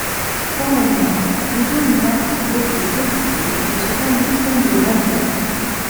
Formellement, ils ont une masse au repos positive, et se conduisent comme des bradyons.